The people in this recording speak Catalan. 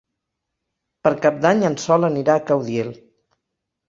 Per Cap d'Any en Sol anirà a Caudiel.